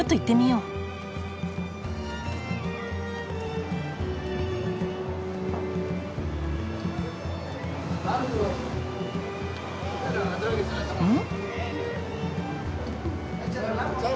うん？